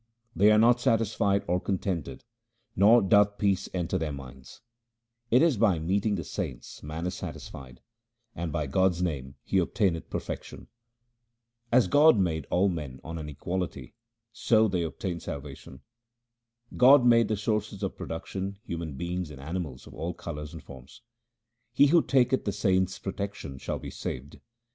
They are not satisfied or contented, nor doth peace enter their minds : it is by meeting the saints man is satisfied, and by God's name he obtaineth perfection. HYMNS OF GURU RAM DAS 337 As God made all men on an equality, so they obtain salvation :— God made the sources of production, human beings, and animals of all colours and forms : He who taketh the saints' protection shall be saved.